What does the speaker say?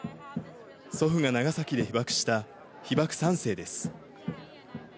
祖父が長崎で被爆した被爆３世です。